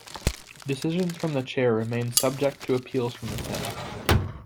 Decisions from the chair remain subject to appeals from the Senate.